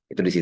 itu di situ